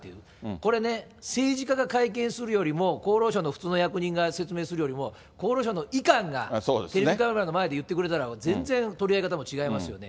これね、政治家が会見するよりも、厚労省の普通の役人が説明するよりも、厚労省の医官がテレビカメラの前で言ってくれたら、全然取り上げ方も違いますよね。